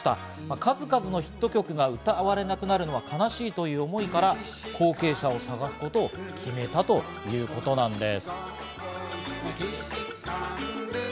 数々のヒット曲が歌われなくなるのは悲しいという思いから、後継者を探すことを決めたという事なんです。